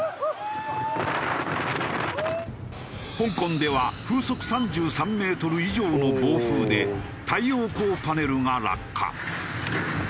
香港では風速３３メートル以上の暴風で太陽光パネルが落下。